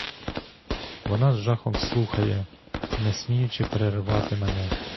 Вона з жахом слухає, не сміючи перервати мене.